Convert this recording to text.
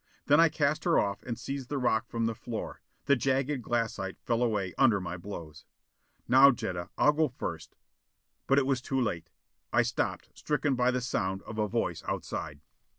Then I cast her off and seized the rock from the floor. The jagged glassite fell away under my blows. "Now, Jetta. I'll go first " But it was too late! I stopped, stricken by the sound of a voice outside!